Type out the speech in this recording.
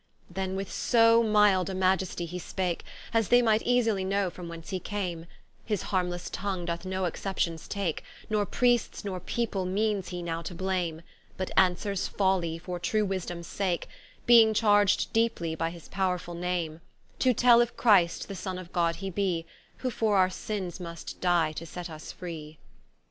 Then with so mild a Maiestie he spake, As they might easly know from whence he came, His harmlesse tongue doth no exceptions take, Nor Priests, nor People, meanes he now to blame; But answers Folly, for true Wisdomes sake, Beeing charged deeply by his powrefull name, To tell if Christ the Sonne of God he be, Who for our sinnes must die, to set vs free.